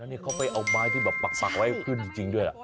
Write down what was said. นี่เขาไปเอาไม้ที่แบบปักไว้ขึ้นจริงด้วยล่ะ